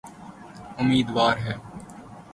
امیدوار ہے۔